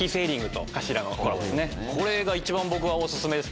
これが一番僕がお薦めです。